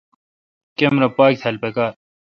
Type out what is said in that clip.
کمرا پاک تھال پکار۔